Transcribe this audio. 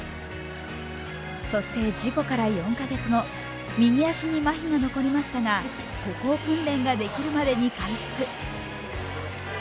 そして事故から４カ月後、右足にまひが残りましたが歩行訓練ができるまでに回復。